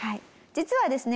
実はですね